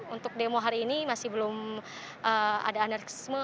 untuk demo hari ini masih belum ada anarkisme